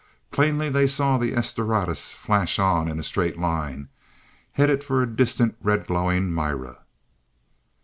Plainly they saw the "S Doradus" flash on, in a straight line, headed for distant, red glowing Mira.